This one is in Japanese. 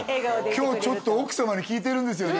今日ちょっと奥様に聞いてるんですよね